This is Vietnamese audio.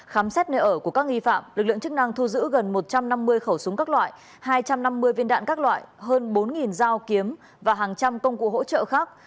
khám xét nơi ở của các nghi phạm lực lượng chức năng thu giữ gần một trăm năm mươi khẩu súng các loại hai trăm năm mươi viên đạn các loại hơn bốn dao kiếm và hàng trăm công cụ hỗ trợ khác